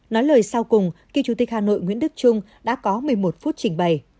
nói lời sau cùng kỳ chủ tịch hà nội nguyễn đức trung đã có một mươi một phút trình bày